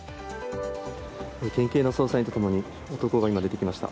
県警の捜査員とともに男が今、出てきました。